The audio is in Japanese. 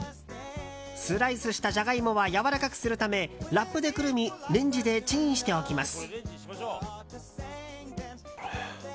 スライスしたジャガイモはやわらかくするためラップでくるみレンジでチンしておきます。